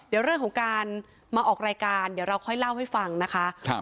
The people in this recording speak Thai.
เดี๋ยวเรื่องของการมาออกรายการเดี๋ยวเราค่อยเล่าให้ฟังนะคะ